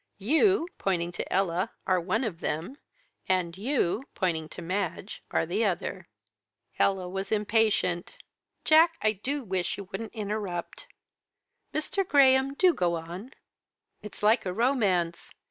You," pointing to Ella, "are one of them, and you," pointing to Madge, "are the other." Ella was impatient. "Jack, I do wish you wouldn't interrupt. Mr. Graham, do go on. It's like a romance.